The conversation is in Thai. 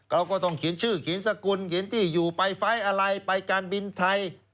เราก็ต้องเขียนชื่อเขียนสกุลเขียนที่อยู่ไปไฟล์อะไรไปการบินไทย